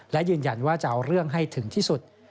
และยืนยันว่าจะเอาเรื่องให้ถึงที่สุด